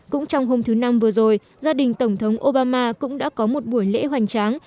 cũng trong hôm thứ năm vừa rồi gia đình tổng thống obama cũng đã có một buổi lễ hoành tráng